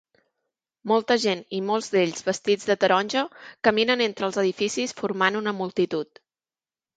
Molta gent i molts d'ells vestits de taronja caminen entre els edificis formant una multitud